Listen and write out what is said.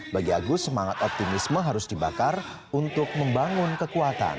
bagi agus semangat optimisme harus dibakar untuk membangun kekuatan